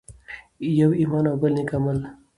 يو ایمان او بل نیک عمل.